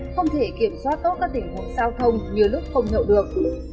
không thể kiểm soát tốt các tình huống giao thông như lúc không nhậu được